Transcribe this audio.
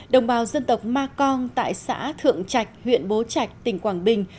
đồng bào dân tộc ma cong tại xã thượng trạch huyện bố trạch tỉnh quảng bình